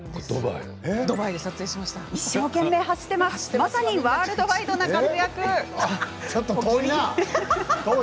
一生懸命走ってまさにワールドワイドな活躍。